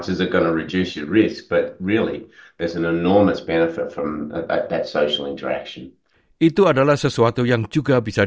dan sekarang dia berjalan ke kumpulan yang lebih kenal